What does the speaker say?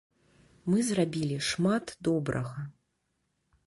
Мы зрабілі шмат добрага.